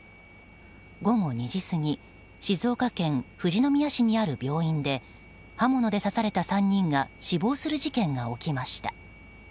午後２時過ぎ静岡県富士宮市にある病院で刃物で刺された３人が死亡する事件が起きました。